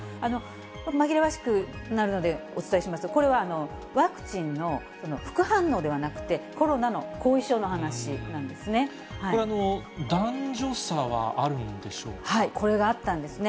紛らわしくなるのでお伝えしますと、これはワクチンの副反応ではなくて、コロナの後遺症の話なんですこれは男女差はあるんでしょこれがあったんですね。